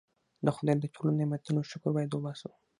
د خدای د ټولو نعمتونو شکر باید وباسو.